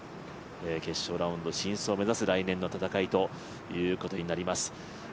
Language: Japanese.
決勝ラウンド進出を目指す来年の戦いということになります。